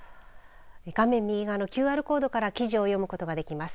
画面右側のＱＲコードから記事を読むことができます。